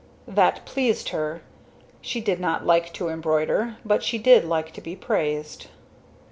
That pleased her. She did not like to embroider, but she did like to be praised.